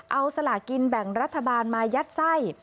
เอาสลากินแบ่งรัฐบาลมายัดไส้